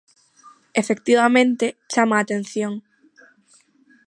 Efectivamente, chama a atención.